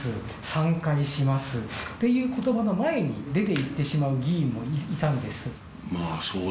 散会しますっていう言葉の前に出ていってしまう議員もいたんです。